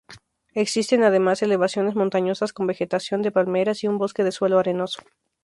Existen además elevaciones montañosas con vegetación de palmeras, y un bosque de suelo arenoso.